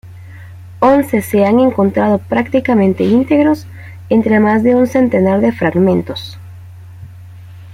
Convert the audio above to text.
Once se han encontrado prácticamente íntegros entre más de un centenar de fragmentos.